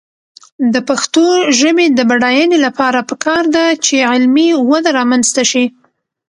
د پښتو ژبې د بډاینې لپاره پکار ده چې علمي وده رامنځته شي.